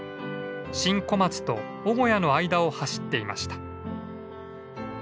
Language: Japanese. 新小松と尾小屋の間を走っていました。